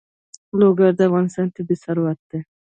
لوگر د افغانستان طبعي ثروت دی.